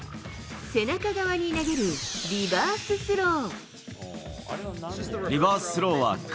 背中側に投げるリバーススロー。